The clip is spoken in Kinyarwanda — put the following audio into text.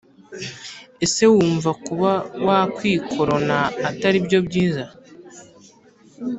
Ese wumva kuba wakwikorona ataribyo byiza